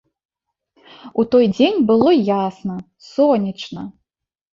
У той дзень было ясна, сонечна.